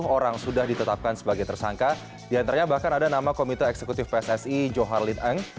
sepuluh orang sudah ditetapkan sebagai tersangka diantaranya bahkan ada nama komite eksekutif pssi johar lin eng